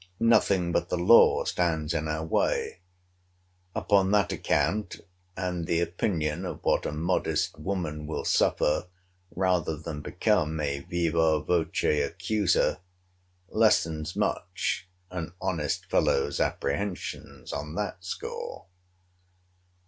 Nothing but the law stands in our way, upon that account; and the opinion of what a modest woman will suffer rather than become a viva voce accuser, lessens much an honest fellow's apprehensions on that score.